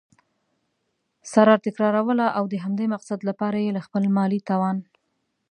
سره تكراروله؛ او د همدې مقصد له پاره یي له خپل مالي توان